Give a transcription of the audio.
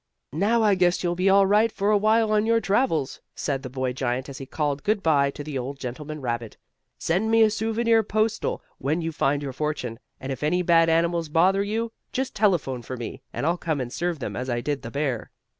"Now I guess you'll be all right for a while on your travels," said the boy giant as he called good by to the old gentleman rabbit. "Send me a souvenir postal when you find your fortune, and if any bad animals bother you, just telephone for me, and I'll come and serve them as I did the bear."